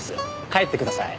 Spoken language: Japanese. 帰ってください。